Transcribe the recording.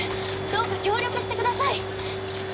どうか協力してください！